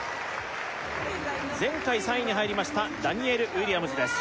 前回３位に入りましたダニエル・ウィリアムズです